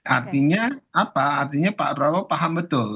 artinya apa artinya pak prabowo paham betul